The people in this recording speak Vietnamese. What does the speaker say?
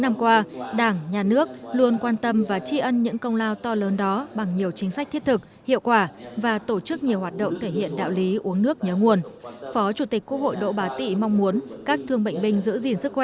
phó chủ tịch quốc hội đại tướng đỗ bá tị